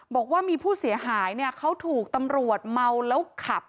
บอกว่ามีผู้เสียหายเนี่ยเขาถูกตำรวจเมาแล้วขับ